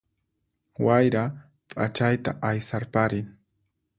Wayra ph'achayta aysarparin